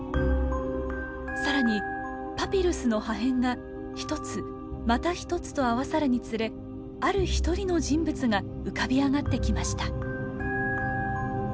更にパピルスの破片が一つまた一つと合わさるにつれある一人の人物が浮かび上がってきました。